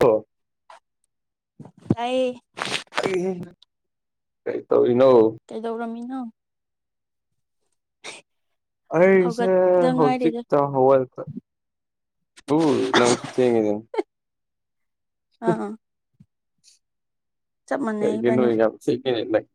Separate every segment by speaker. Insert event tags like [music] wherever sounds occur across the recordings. Speaker 1: ꯑꯣ
Speaker 2: ꯇꯥꯏꯌꯦ
Speaker 1: ꯑꯩꯍꯦ ꯀꯩ ꯇꯧꯔꯤꯅꯣ
Speaker 2: ꯀꯩꯗꯧꯔꯝꯃꯤꯅꯣ
Speaker 1: ꯑꯩꯁꯦ
Speaker 2: ꯍꯧꯒꯠꯄꯗ ꯉꯥꯏꯔꯤꯗ
Speaker 1: ꯍꯧꯖꯤꯛꯇꯣ ꯍꯧꯒꯠꯄ ꯎ ꯅꯪ ꯊꯦꯡꯉꯦꯅꯦ
Speaker 2: ꯑꯥ ꯆꯞ ꯃꯥꯟꯅꯩ
Speaker 1: ꯀꯩꯒꯤꯅꯣ
Speaker 2: ꯏꯕꯥꯅꯤ
Speaker 1: ꯌꯥꯝ ꯊꯤ ꯈꯦꯠꯅꯩ ꯅꯪ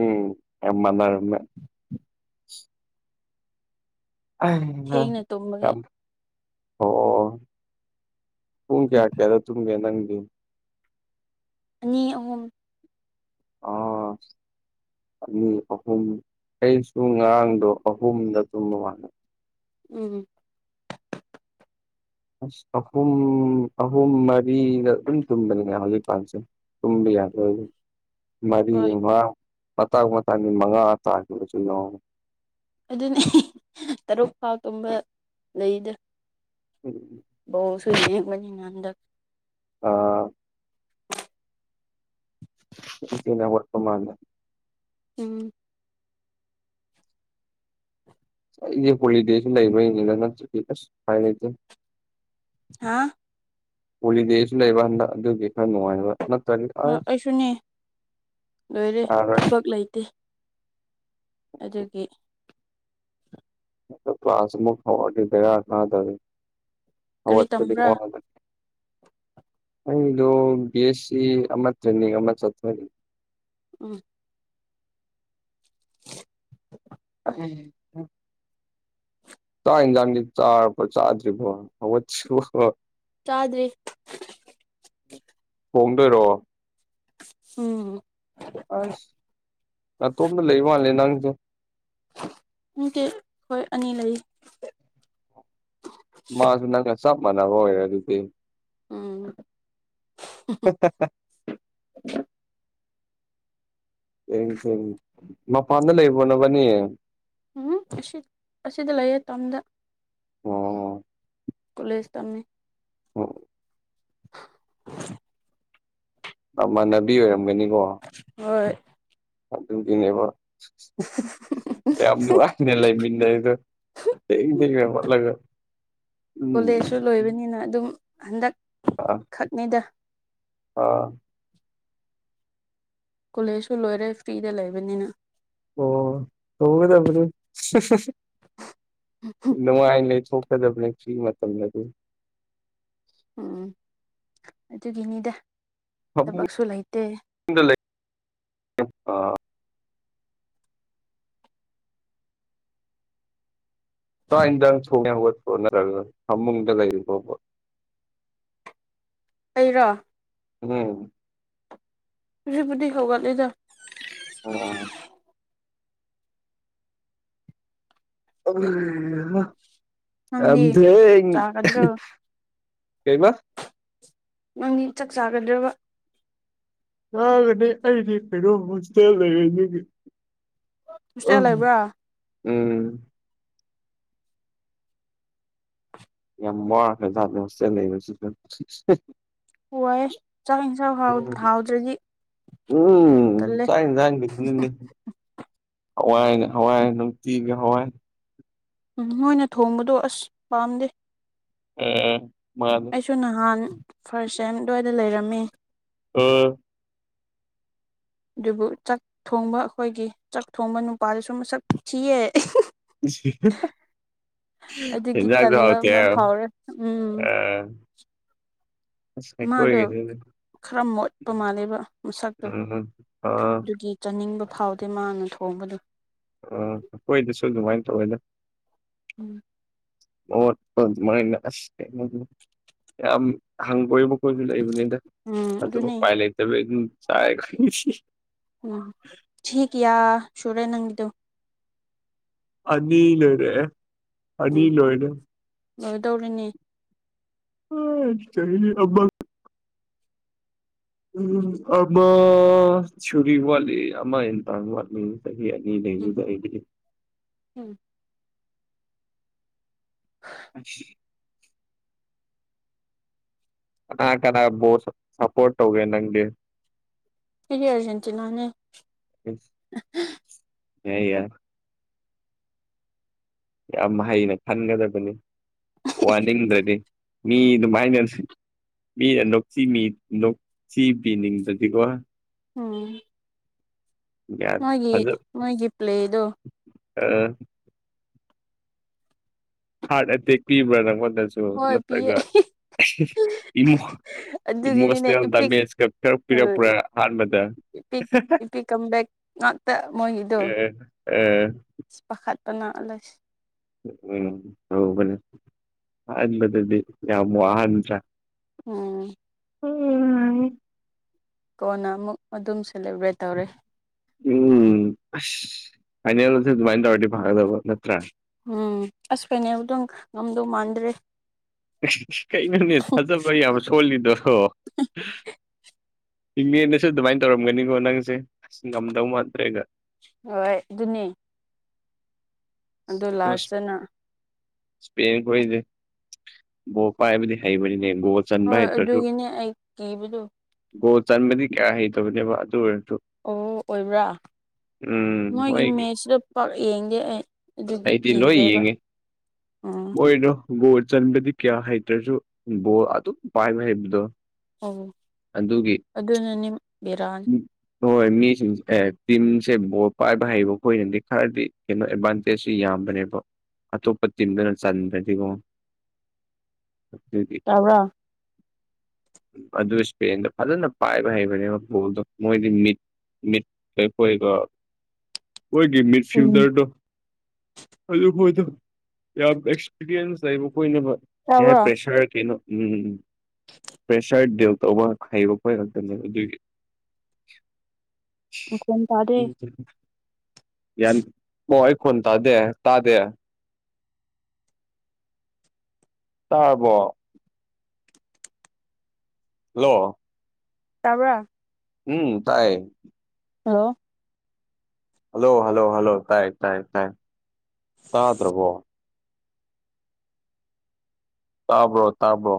Speaker 1: ꯎꯝ ꯌꯥꯝꯃꯅꯥꯔꯝꯃꯦ ꯑꯩꯅ
Speaker 2: ꯊꯦꯡꯅ ꯇꯨꯝꯕꯒꯤ
Speaker 1: ꯌꯥꯝ ꯑꯣ ꯄꯨꯡ ꯀꯌꯥ ꯀꯌꯥꯗ ꯇꯨꯝꯒꯦ ꯅꯪꯗꯤ
Speaker 2: ꯑꯅꯤ ꯑꯍꯨꯝ
Speaker 1: ꯑꯣ ꯑꯅꯤ ꯑꯍꯨꯝ ꯑꯩꯁꯨ ꯉꯔꯥꯡꯗꯣ ꯑꯍꯨꯝꯗ ꯇꯨꯝꯕ ꯃꯥꯜꯂꯦ
Speaker 2: ꯎꯝ
Speaker 1: ꯑꯁ ꯑꯍꯨꯝ ꯑꯍꯨꯝ ꯃꯔꯤꯗ ꯑꯗꯨꯝ ꯇꯨꯝꯕꯅꯤꯅꯦ ꯍꯧꯖꯤꯛ ꯀꯥꯟꯁꯦ ꯇꯨꯝꯕ ꯌꯥꯗꯕꯒꯤ ꯃꯔꯤ
Speaker 2: ꯍꯣꯏ
Speaker 1: ꯋꯥ ꯄꯇꯥꯡ ꯃꯇꯥꯡꯒꯤ ꯃꯉꯥ ꯇꯒꯤꯕꯖꯨ ꯌꯥꯎꯏ
Speaker 2: ꯑꯗꯨꯅꯤ ꯇꯔꯨꯛ ꯐꯥꯎ ꯇꯨꯝꯕ ꯂꯩꯗ
Speaker 1: ꯎꯝ ꯎꯝ
Speaker 2: ꯑꯣ ꯁꯣꯏ ꯃꯅꯤ ꯍꯟꯗꯛ
Speaker 1: ꯑꯥ
Speaker 2: [inaudible]
Speaker 1: ꯑꯗꯨ ꯊꯦꯡꯅ ꯍꯧꯒꯠꯄ ꯃꯥꯥꯟꯅꯦ
Speaker 2: ꯎꯝ
Speaker 1: ꯑꯩꯗꯤ ꯀꯣꯔꯤꯕꯦꯁ ꯂꯩꯕꯔꯥ ꯌꯦꯡꯉꯦ ꯅꯠꯇꯔꯗꯤ ꯑꯁ ꯎꯄꯥꯏ ꯂꯩꯇ‌ꯦ
Speaker 2: ꯍꯥꯥ
Speaker 1: ꯍꯣꯂꯤꯗꯦꯁꯨ ꯂꯩꯕ ꯍꯟꯗꯛ ꯑꯗꯨꯒꯤ ꯈꯔ ꯅꯨꯡꯉꯥꯏꯕ ꯅꯠꯇꯔꯗꯤ
Speaker 2: ꯍꯣꯏ
Speaker 1: ꯑꯁ
Speaker 2: ꯑꯩꯁꯨꯅꯦ ꯂꯣꯏꯔꯦ
Speaker 1: ꯌꯥꯔꯣꯏ
Speaker 2: ꯊꯕꯛ ꯂꯩꯇꯦ ꯑꯗꯨꯒꯤ
Speaker 1: ꯑꯗꯨ ꯀ꯭ꯂꯥꯁ ꯑꯃꯨꯛ ꯀꯋꯥꯗꯤ ꯕꯦꯔꯥ ꯇꯗꯕꯩ
Speaker 2: ꯀꯔꯤ
Speaker 1: ꯑꯋꯥꯠꯄꯗꯤ
Speaker 2: ꯇꯝꯕ꯭ꯔꯥ
Speaker 1: ꯑꯋꯥꯠꯄ ꯅꯪꯗꯨ ꯕꯤ ꯑꯦꯁ ꯁꯤ ꯑꯃ ꯇꯅꯦ ꯑꯃ ꯆꯠꯄꯅꯤ
Speaker 2: ꯎꯝ [inaudible]
Speaker 1: [inaudible] ꯆꯥꯛ ꯏꯟꯖꯥꯡꯗꯤ ꯆꯥꯔꯕꯣ ꯆꯥꯗ꯭ꯔꯤꯕꯣ ꯍꯧꯒꯠꯇꯔꯤꯕꯣ
Speaker 2: ꯆꯥꯗ꯭ꯔꯤ
Speaker 1: ꯍꯣꯡꯗꯣꯏꯔꯣ
Speaker 2: ꯎꯝ
Speaker 1: ꯑꯁ ꯅꯇꯣꯝꯇ ꯂꯩ ꯃꯥꯜꯂꯦ ꯅꯪꯖꯦ
Speaker 2: ꯅꯠꯇꯦ ꯑꯩꯈꯣꯏ ꯑꯅꯤ ꯂꯩ
Speaker 1: ꯃꯥꯖꯨ ꯅꯪꯒ ꯆꯞ ꯃꯥꯟꯅꯕ ꯑꯣꯏꯔꯦ ꯑꯗꯨꯗꯤ
Speaker 2: ꯎꯝ
Speaker 1: [unintelligible] ꯀꯔꯤ ꯇꯧꯔꯤ ꯃꯄꯥꯟꯗ ꯂꯩꯕꯔꯣ ꯅꯣꯏꯕꯅꯤ
Speaker 2: ꯎꯝ ꯑꯁꯤ ꯑꯁꯤꯗ ꯂꯩꯌꯦ ꯇꯝꯗ
Speaker 1: ꯑꯣ
Speaker 2: ꯀꯂꯁ ꯇꯝꯃꯦ
Speaker 1: ꯑꯣ
Speaker 2: [unintelligible]
Speaker 1: ꯃꯃꯥꯟꯅꯕꯤ ꯑꯣꯏꯔꯝꯒꯅꯤꯀꯣ
Speaker 2: ꯍꯣꯏ
Speaker 1: ꯑꯗꯨꯒꯤꯅꯦꯕ ꯌꯥꯝ ꯅꯨꯡꯉꯥꯏꯅꯦ ꯂꯩꯃꯤꯟꯅꯩꯗ ꯊꯦꯡ ꯊꯦꯡꯅ ꯃꯣꯠꯂꯒ
Speaker 2: ꯀꯣꯂꯦꯖꯁꯨ
Speaker 1: ꯎꯝ
Speaker 2: ꯂꯣꯏꯕꯅꯤꯅ ꯑꯗꯨꯝ ꯍꯟꯗꯛ
Speaker 1: ꯑ
Speaker 2: ꯈꯛꯅꯤꯗ
Speaker 1: ꯑꯥ
Speaker 2: ꯀꯣꯂꯦꯖꯁꯨ ꯂꯣꯏꯔꯦ ꯐ꯭ꯔꯤꯗ ꯂꯩꯕꯅꯤꯅ
Speaker 1: ꯑꯣ ꯇꯉꯗꯔ ꯅꯨꯡꯉꯥꯏ ꯂꯩ ꯊꯣꯛꯀꯗꯕꯅꯦ ꯁꯤ ꯃꯇꯝꯗ ꯑꯗꯨ
Speaker 2: ꯎꯝ ꯑꯗꯨꯒꯤꯅꯤꯗ
Speaker 1: ꯐꯃꯨꯡꯗ
Speaker 2: ꯊꯕꯛꯁꯨ ꯂꯩꯇꯦ
Speaker 1: ꯂꯩ ꯑ ꯁꯋꯥꯏꯗꯪ ꯁ ꯁꯣꯠꯅꯔꯒ ꯐꯃꯨꯡꯗ ꯂꯩꯔꯤꯣꯕ
Speaker 2: ꯑꯩꯔꯣ
Speaker 1: ꯑꯣ
Speaker 2: ꯕꯨꯗꯤ ꯍꯧꯒꯠꯂ ꯂꯩꯗ
Speaker 1: ꯑꯣ ꯑꯝ
Speaker 2: ꯅꯪꯗꯤ
Speaker 1: ꯊ
Speaker 2: ꯆꯥꯒꯗ꯭ꯔꯣ
Speaker 1: ꯀꯩꯃꯁ
Speaker 2: ꯅꯪꯗꯤ ꯆꯥꯛ ꯆꯥꯒꯗ꯭ꯔꯕ
Speaker 1: ꯑꯒ ꯑꯗꯤ ꯈꯩꯅꯁꯀꯜ ꯂꯩ ꯑ
Speaker 2: ꯍꯣꯁꯇꯦꯜ ꯂꯩꯕ꯭ꯔꯥ
Speaker 1: ꯎꯝ ꯌꯥꯝ ꯃꯣꯔꯈꯦꯁꯦ
Speaker 2: ꯋꯥꯏ ꯆꯥꯛ ꯌꯦꯟꯁꯥꯡ ꯍꯥꯎꯗ꯭ꯔꯗꯤ
Speaker 1: ꯎꯝ
Speaker 2: ꯇꯜꯂꯦ
Speaker 1: ꯆꯅ ꯆꯅꯤ ꯍꯋꯥꯏꯅꯦ ꯍꯋꯥꯏ ꯅꯨꯡꯇꯤꯒ ꯍꯋꯥꯏ
Speaker 2: ꯎꯝ ꯅꯣꯏꯅ ꯊꯣꯡꯕꯗꯣ ꯑꯁ ꯄꯥꯝꯗꯦ
Speaker 1: ꯎ ꯃꯥ
Speaker 2: ꯑꯩ ꯁꯁꯨ ꯅꯍꯥꯟ ꯐꯥꯔꯁ ꯑꯥꯏꯦꯝ ꯑꯗꯨ꯭ꯋꯥꯏꯗ ꯂꯩꯔꯝꯃꯤ
Speaker 1: ꯑꯣ
Speaker 2: ꯑꯗꯨꯕꯨ ꯆꯥꯛ ꯊꯣꯡꯕ ꯑꯩꯈꯣꯏꯒꯤ ꯆꯥꯛ ꯊꯣꯡꯕ ꯅꯨꯄꯥꯗꯁꯨ ꯃꯁꯛ ꯊꯤꯌꯦ
Speaker 1: ꯁꯤ
Speaker 2: ꯑꯗꯨꯒꯤ
Speaker 1: ꯍꯖꯥꯛ ꯊꯥꯎ
Speaker 2: ꯇꯟꯕ
Speaker 1: ꯀ
Speaker 2: ꯑꯃ ꯐꯥꯎꯔꯦ ꯎꯝ
Speaker 1: ꯑ ꯀꯣꯏ
Speaker 2: ꯃꯥꯗꯣ
Speaker 1: ꯀꯗ
Speaker 2: ꯈꯔ ꯃꯣꯠꯄ ꯃꯥꯜꯂꯦꯕ ꯃꯁꯛꯇꯨ
Speaker 1: ꯎꯝ ꯑ ꯑ
Speaker 2: ꯑꯗꯨꯒꯤ ꯆꯥꯅꯤꯡꯕ ꯐꯥꯎꯗꯦ ꯃꯥꯅ ꯊꯣꯡꯕꯗ
Speaker 1: ꯑꯣ ꯑꯩꯈꯣꯏꯗꯁꯨ ꯑꯗꯨꯃꯥꯏꯅ ꯇꯧꯋꯦꯗ
Speaker 2: ꯎꯝ
Speaker 1: ꯃ ꯏ ꯍ ꯑꯩꯈꯣꯏꯁꯨ ꯂꯩꯕꯅꯤꯗ ꯑꯗꯨꯝ
Speaker 2: ꯑꯗꯨꯅꯦ
Speaker 1: ꯎꯄꯥꯏ ꯂꯩꯇꯕꯩ ꯑꯗꯨꯝ ꯆꯥꯏ ꯈꯣꯏ
Speaker 2: ꯎꯝ ꯆ ꯀꯌꯥ ꯁꯨꯔꯨꯔꯦ ꯅꯪꯗꯨꯣ
Speaker 1: ꯑꯅꯤ ꯂꯣꯏꯔꯦ ꯑꯅꯤ ꯂꯣꯏꯔꯦ
Speaker 2: ꯂꯒꯗꯧꯔꯤꯅꯤ
Speaker 1: ꯑ ꯆꯍꯤ ꯑ ꯎꯝ ꯑꯃ ꯆꯔꯤ ꯋꯥꯂꯤ ꯑꯃꯃ ꯏꯟꯇꯥꯡ ꯋꯥꯂꯤ ꯆꯍꯤ ꯑꯅꯤ
Speaker 2: ꯎꯝ
Speaker 1: ꯂꯩꯕꯗꯨꯗꯥ ꯑꯩꯒꯤ
Speaker 2: ꯎꯝ [unintelligible]
Speaker 1: [unintelligible] ꯀꯅꯥ ꯀꯅꯥ ꯕꯣꯜ ꯁꯄꯣꯔꯠ ꯇꯧꯒꯦ ꯅꯪꯗꯤ
Speaker 2: ꯑꯩꯗꯤ ꯑꯔꯖꯦꯟꯇꯤꯅꯥꯅꯦ꯫
Speaker 1: ꯏꯁ ꯌꯥꯏ ꯌꯥꯏ ꯌꯥꯝ ꯍꯩꯅ ꯈꯟꯒꯗꯕꯅꯤ ꯋꯥꯅꯤꯡꯗ꯭ꯔꯗꯤ ꯃꯤ ꯑꯗꯨꯃꯥꯏꯅ ꯃꯤꯅ ꯅꯣꯛꯁꯤ ꯃꯤ ꯅꯣꯛꯁꯤꯕꯤꯤꯅꯤꯡꯗ꯭ꯔꯗꯤꯀꯣ
Speaker 2: ꯎꯝ
Speaker 1: ꯒ꯭ꯌꯥꯟ
Speaker 2: ꯃꯣꯏꯒꯤ ꯃꯣꯏꯒꯤ ꯄ꯭ꯂꯦꯗꯨ
Speaker 1: ꯑ ꯍꯥꯔꯠ ꯑꯦꯇꯦꯛ ꯄꯤꯕ꯭ꯔꯥ ꯅꯉꯣꯟꯗꯁꯨ
Speaker 2: ꯍꯣꯏ ꯄꯤꯌꯦ
Speaker 1: ꯅꯠꯇ꯭ꯔꯒ ꯏꯃ
Speaker 2: ꯑꯗꯨꯒꯤꯅꯤꯅꯦ
Speaker 1: ꯏꯃꯣꯁꯅꯦꯜ
Speaker 2: ꯏꯄꯤꯛ
Speaker 1: ꯃꯇꯆ ꯀꯥ ꯄꯤꯔꯛꯄ꯭ꯔꯥ ꯑꯍꯥꯟꯕꯗ
Speaker 2: ꯑꯦꯄꯤꯛ ꯀꯝ ꯕꯥꯛ ꯃꯣꯏꯒꯤꯗ
Speaker 1: ꯑꯦ ꯑꯦ
Speaker 2: ꯄꯥꯈꯠꯄꯅꯂꯁꯤ
Speaker 1: ꯎꯝ ꯍꯅꯦ ꯑꯕꯗꯨꯗꯤ ꯌꯥꯝ ꯋꯥꯍꯟꯕꯔ
Speaker 2: ꯎꯝ ꯀꯣꯟꯅ ꯑꯃꯨꯛ ꯑꯗꯨꯝ ꯁꯦꯂꯦꯕ꯭ꯔꯦꯠ ꯇꯧꯔꯦ
Speaker 1: ꯎꯝ ꯑꯁ ꯐꯥꯏꯅꯦꯜꯗꯁꯨ ꯑꯗꯨꯃꯥꯏꯅ ꯇꯧꯔꯗꯤ ꯐꯪꯒꯗꯕ ꯅꯠꯇ꯭ꯔꯥ
Speaker 2: ꯎꯝ ꯑꯁ ꯐꯅꯦ ꯑꯃꯨꯛꯇꯪ ꯉꯝꯗꯧ ꯃꯥꯟꯗ꯭ꯔꯦ
Speaker 1: ꯀꯩꯅꯣꯅꯦ ꯊꯥꯖꯕ ꯌꯥꯝ ꯁꯣꯜꯂꯤꯗꯣ ꯏꯤꯡꯃꯦꯗꯁꯨ ꯑꯗꯨꯃꯥꯏꯅ ꯇꯧꯔꯝꯒꯅꯤꯀꯣ ꯅꯪꯁꯦ ꯑꯁ ꯉꯝꯗꯧ ꯃꯥꯟꯗ꯭ꯔꯦꯒ
Speaker 2: ꯍꯣꯏ ꯑꯗꯨꯅꯤ ꯑꯗꯣ ꯂꯥꯁꯇꯅ
Speaker 1: ꯄꯪ ꯀꯣꯏꯗꯤ ꯕꯣ ꯄꯥꯏꯕꯨꯗꯤ ꯍꯩꯕꯅꯤꯅꯦ ꯒꯣ ꯆꯟꯕ
Speaker 2: ꯍꯣꯏ
Speaker 1: ꯍꯩꯇ꯭ꯔꯁꯨ
Speaker 2: ꯑꯗꯨꯒꯤꯅꯦ ꯑꯩ ꯀꯤꯕꯗꯣ
Speaker 1: ꯒꯣ ꯆꯟꯕꯗꯤ ꯀꯌꯥ ꯍꯩꯇꯕꯅꯦꯕ ꯑꯗꯨ ꯑꯣꯏꯔꯁꯨ
Speaker 2: ꯑꯣ ꯑꯣꯏꯕ꯭ꯔꯥ
Speaker 1: ꯎꯝ
Speaker 2: ꯅꯣꯏꯒꯤ
Speaker 1: ꯃꯣꯏꯒꯤ
Speaker 2: ꯃꯦꯠꯁꯤꯗ ꯄꯛ ꯌꯦꯡꯗꯦ ꯑꯩ ꯑꯗꯨꯒꯤ
Speaker 1: ꯑꯩꯗꯤ ꯂꯣꯏ
Speaker 2: ꯀꯤꯈ꯭ꯔꯦꯕ
Speaker 1: ꯌꯦꯡꯉꯦ
Speaker 2: ꯑꯥ
Speaker 1: ꯃꯣꯏꯗꯣ ꯕꯣꯔ ꯆꯟꯕꯗꯤ ꯀꯌꯥ ꯍꯩꯇ꯭ꯔꯁꯨ ꯕꯣꯔ ꯑꯗꯨꯝ ꯄꯥꯏꯕ ꯍꯩꯕꯗꯣ
Speaker 2: ꯑꯣ
Speaker 1: ꯑꯗꯨꯒꯤ
Speaker 2: ꯑꯗꯨꯅꯅꯤ ꯕꯤꯔꯥꯅꯤ꯫
Speaker 1: ꯎꯝ ꯍꯣꯏ ꯃꯤꯁꯤꯡꯁꯦ ꯑꯦ ꯇꯤꯝꯁꯦ ꯕꯣꯜ ꯄꯥꯏꯕ ꯍꯩꯕ ꯑꯩꯈꯣꯏꯅꯗꯤ ꯈꯔꯗꯤ ꯀꯩꯅꯣ ꯑꯦꯗꯚꯥꯟꯇꯦꯖꯁꯨ ꯌꯥꯝꯕꯅꯦꯕ ꯑꯇꯣꯞꯄ ꯇꯤꯝꯗꯨꯅ ꯆꯕꯗꯤ ꯑꯗꯨꯗꯤ
Speaker 2: ꯇꯥꯕꯔꯣ
Speaker 1: ꯑꯗꯨ ꯏꯁꯄꯦꯟꯗ ꯐꯖꯅ ꯄꯥꯏꯕ ꯍꯩꯕꯅꯦꯕ ꯗ ꯃꯣꯏꯗꯤ ꯃꯤꯠ ꯃꯤꯠ ꯀꯣꯏꯒ ꯑꯩꯈꯣꯏꯒꯤ ꯃꯤꯠ
Speaker 2: ꯎꯝ
Speaker 1: ꯐꯌꯨꯗꯔ ꯗꯣ ꯑꯗꯨ ꯍꯣꯏꯗꯣ ꯌꯥꯝ ꯑꯦꯛꯁꯄꯤꯔꯤꯌꯦꯟꯁ ꯂꯩꯕ ꯀꯣꯏꯅꯕ
Speaker 2: ꯇꯥꯕ꯭ꯔꯥ
Speaker 1: ꯄ꯭ꯔꯦꯁꯔ ꯀꯩꯅꯣ ꯎꯝ ꯄ꯭ꯔꯦꯁꯔ ꯗ ꯇꯧꯕ ꯍꯥꯏꯌ ꯍꯣꯏꯔꯥꯛꯇꯅꯤ ꯑꯗꯨꯏ
Speaker 2: ꯃꯈꯣꯟ ꯇꯗꯦ
Speaker 1: ꯌꯥꯟ ꯑꯣ ꯑꯩ ꯈꯨꯣꯟ ꯇꯥꯗꯦ ꯇꯥꯗꯦ ꯇꯥꯔꯕꯣ ꯍꯂꯣ
Speaker 2: ꯇꯕ꯭ꯔꯥ
Speaker 1: ꯎꯝ ꯇꯥꯏꯌꯦ
Speaker 2: ꯍꯜꯂꯣ
Speaker 1: ꯍꯜꯂꯣ ꯍꯜꯂꯣ ꯍꯜꯂꯣ ꯇꯥꯏ ꯇꯥꯏ ꯇꯥꯏ ꯇꯥꯗ꯭ꯔꯕꯣ? ꯇꯥꯕ꯭ꯔꯣ ꯇꯥꯕ꯭ꯔꯣ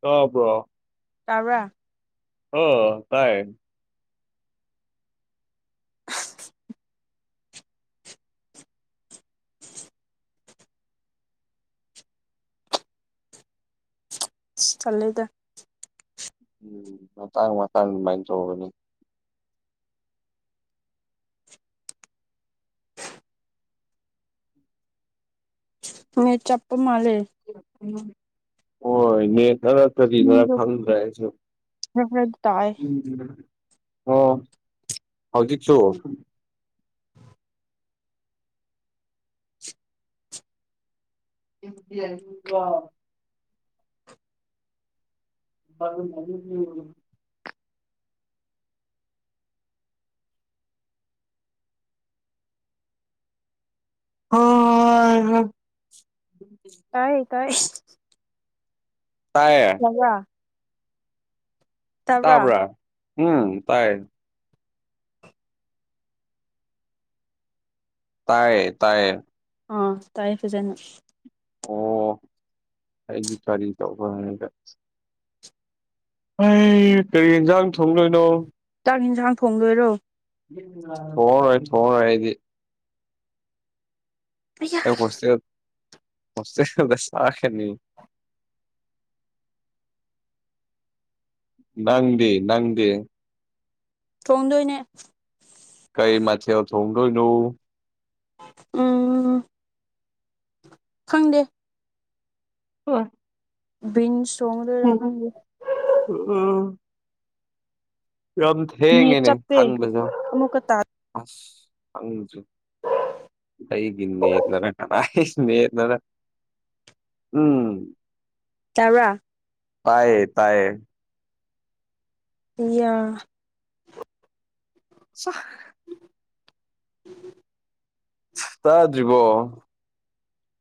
Speaker 1: ꯇꯥꯕ꯭ꯔꯣ
Speaker 2: ꯇꯥꯕ꯭ꯔꯥ
Speaker 1: ꯑꯣ ꯇꯥꯏꯌꯦ
Speaker 2: [unintelligible] ꯏꯁ ꯆꯜꯂꯦꯗ
Speaker 1: ꯎꯝ ꯃꯇꯥꯡ ꯃꯇꯥꯡ ꯑꯗꯨꯃꯥꯏꯅ ꯆꯧꯕꯅꯤ
Speaker 2: ꯅꯦꯠ ꯆꯞꯄ ꯃꯥꯜꯂꯦ
Speaker 1: [unintelligible] ꯍꯣꯏ ꯅꯦꯠꯅꯔꯥ ꯀꯔꯤꯅꯔꯥ
Speaker 2: ꯅꯪꯒꯤꯗꯣ
Speaker 1: ꯈꯪꯗ꯭ꯔꯦ ꯑꯩꯁꯨ
Speaker 2: ꯈꯔ ꯈꯔꯗꯤ ꯇꯥꯏꯑꯦ
Speaker 1: ꯎꯝ ꯑꯣ ꯍꯧꯖꯤꯛꯁꯨ [unintelligible] [unintelligible] [unintelligible]
Speaker 2: ꯇꯥꯏꯌꯦ ꯇꯥꯏꯌꯦ [unintelligible]
Speaker 1: ꯇꯥꯏꯌꯦ
Speaker 2: ꯇꯕ꯭ꯔꯥ
Speaker 1: ꯇꯥꯕ꯭ꯔꯥ ꯍꯨꯝ ꯇꯥꯏꯌꯦ ꯇꯥꯏꯌꯦ ꯇꯥꯏꯌꯦ
Speaker 2: ꯑꯥ ꯇꯥꯏꯌꯦ ꯐꯖꯅ
Speaker 1: ꯑꯣ ꯑꯩꯗꯤ ꯀꯔꯤ ꯇꯧꯈꯔꯝꯅꯤꯗ ꯑꯩ ꯀꯔꯤ ꯍꯦꯟꯖꯥꯡ ꯊꯣꯡꯗꯣꯏꯅꯣ
Speaker 2: ꯆꯥꯛ ꯌꯦꯟꯁꯥꯡ ꯊꯣꯡꯗꯣꯏꯔꯣ
Speaker 1: [unintelligible] ꯊꯣꯡꯉꯔꯣꯏ ꯊꯣꯡꯉꯔꯣꯏ ꯑꯩꯗꯤ
Speaker 2: [unintelligible]
Speaker 1: ꯑꯩ ꯍꯣꯁꯇꯦꯜ ꯍꯣꯁꯇꯦꯜꯗ ꯆꯥ ꯈꯔꯅꯤ ꯅꯪꯗꯤ ꯅꯪꯗꯤ
Speaker 2: ꯊꯣꯡꯗꯣꯏꯅꯦ
Speaker 1: ꯀꯩ ꯃꯊꯦꯜ ꯊꯣꯡꯗꯣꯏꯅꯣ
Speaker 2: ꯎꯝ ꯈꯪꯗꯦ
Speaker 1: [unintelligible]
Speaker 2: ꯕꯤꯟꯁ ꯊꯣꯡꯗꯣꯏꯔꯥ ꯈꯪꯗꯦ
Speaker 1: [unintelligible] ꯌꯥꯝ
Speaker 2: ꯅꯦꯠ
Speaker 1: ꯊꯦꯡꯉꯦꯅꯦ
Speaker 2: ꯆꯞꯄꯦ
Speaker 1: ꯍꯟꯕꯁꯨ
Speaker 2: ꯑꯃꯨꯛꯀ ꯇꯥ
Speaker 1: ꯑꯁ ꯈꯪꯗ꯭ꯔꯦ ꯑꯩꯒꯤ ꯅꯦꯠꯅꯔꯥ ꯀꯅꯥꯏ [unintelligible] ꯅꯦꯠꯅꯔꯥ ꯎꯝ
Speaker 2: ꯇꯥꯕ꯭ꯔꯥ
Speaker 1: ꯇꯥꯏꯌꯦ ꯇꯥꯏꯌꯦ
Speaker 2: [unintelligible]
Speaker 1: ꯆꯥꯍ [unintelligible] ꯇꯥꯗ꯭ꯔꯤꯕꯣ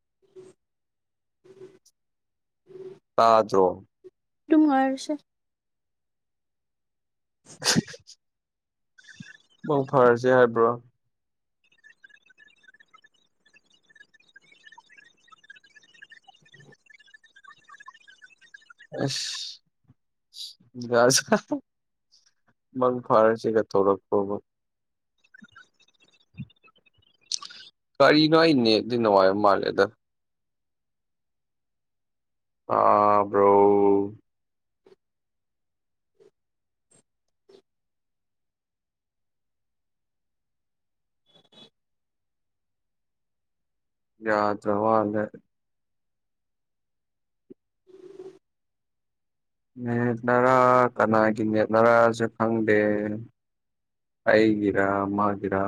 Speaker 2: [unintelligible]
Speaker 1: ꯇꯥꯗ꯭ꯔꯣ
Speaker 2: ꯗꯨꯝ ꯉꯥꯏꯔꯁꯦ
Speaker 1: [unintelligible] ꯃꯪ ꯐꯔꯁꯦ ꯍꯥꯏꯕ꯭ꯔꯣ
Speaker 2: [unintelligible]
Speaker 1: ꯑꯁ [unintelligible] ꯃꯪ ꯐꯔꯁꯦꯒ ꯇꯧꯔꯛ ꯄ꯭ꯔꯣꯕ ꯀꯔꯤꯅꯣ ꯑꯩ ꯅꯦꯠꯇꯤ ꯅꯨꯡꯉꯥꯏꯕ ꯃꯥꯜꯂꯦꯗ ꯇꯥ ꯕ꯭ꯔꯣ
Speaker 2: ꯂꯧꯁꯤꯟꯕ ꯉꯝꯗꯕ
Speaker 1: ꯌꯥꯗ꯭ꯔꯋꯥꯂꯦ
Speaker 2: [unintelligible]
Speaker 1: ꯅꯦꯠꯅꯔꯥ ꯀꯅꯥꯒꯤ ꯅꯦꯠꯅꯔꯁꯨ ꯈꯪꯗꯦ ꯑꯩꯒꯤꯔꯥ ꯃꯥꯒꯤꯔꯥ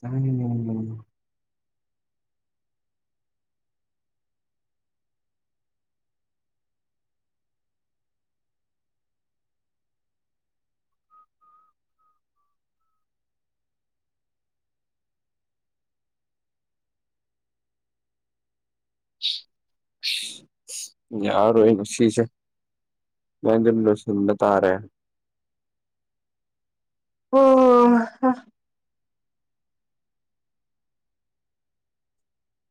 Speaker 1: ꯂꯧꯁꯤꯟꯕ ꯉꯝꯗꯕ ꯂꯧꯁꯤꯟꯕ ꯉꯝꯗꯕ ꯌꯥꯔꯔꯣꯏ ꯑꯩ ꯉꯁꯤꯁꯦ ꯁꯨꯃꯥꯏ ꯑꯗꯨꯝ ꯂꯣꯏꯁꯤꯟꯕ ꯇꯥꯔꯦ ꯍꯣ ꯍꯣ ꯍꯥ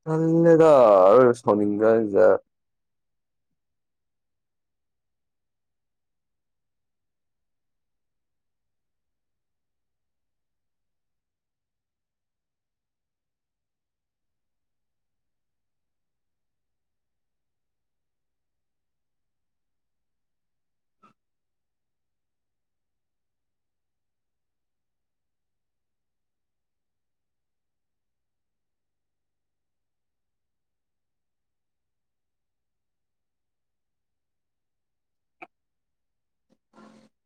Speaker 1: ꯊꯟꯗꯦꯗꯥ ꯑꯁ ꯁꯥꯎꯅꯤꯡꯀꯥꯟꯖꯤꯗ
Speaker 2: [inaudible] ꯂꯧꯁꯤꯟꯕ ꯉꯝꯗꯕ